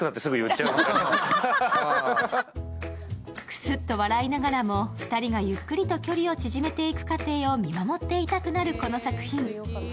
くすっと笑いながらも、２人がゆっくりと距離を縮めていく過程を見守っていたくなるこの作品。